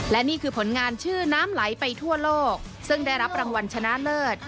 และนี่คือผลงานชื่อน้ำไหลไปทั่วโลกซึ่งได้รับรางวัลชนะเลิศ